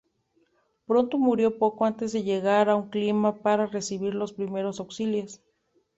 Ponto murió poco antes de llegar a una clínica para recibir los primeros auxilios.